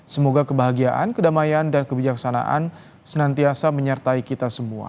dua ribu lima ratus enam puluh delapan semoga kebahagiaan kedamaian dan kebijaksanaan senantiasa menyertai kita semua